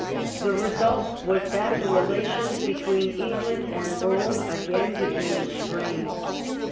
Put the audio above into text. The result was that the relations between England and Rome again became strained.